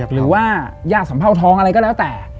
หรือว่าย่าสัมเภาทองอะไรก็แล้วแต่